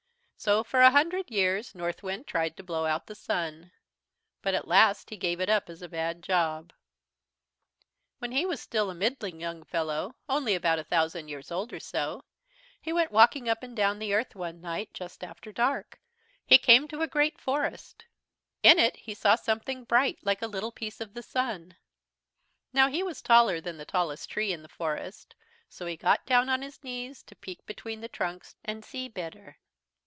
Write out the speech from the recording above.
"So, for a hundred years, Northwind tried to blow out the Sun. But at last he gave it up as a bad job. "When he was still a middling young fellow, only about a thousand years old or so, he went walking up and down the earth one night, just after dark. "He came to a great forest. In it he saw something bright, like a little piece of the Sun. Now he was taller than the tallest tree in the forest, so he got down on his knees to peek between the trunks and see better.